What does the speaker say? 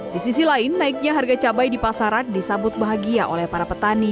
di sisi lain naiknya harga cabai di pasaran disambut bahagia oleh para petani